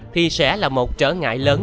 thì sẽ là một trở ngại lớn